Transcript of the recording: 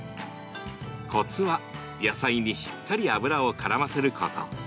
コツは野菜にしっかり油をからませること。